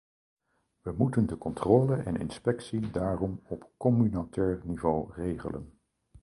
We moeten de controle en inspectie daarom op communautair niveau regelen.